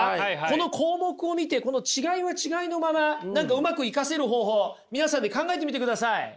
この項目を見てこの違いは違いのまま何かうまく生かせる方法皆さんで考えてみてください。